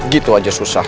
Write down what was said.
gitu aja susah